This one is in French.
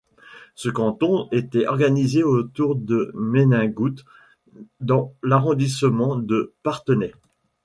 Ce canton était organisé autour de Ménigoute dans l'arrondissement de Parthenay.